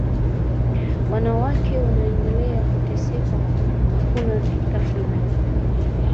wanawake wanaendelea kuteseka hakuna vita fulani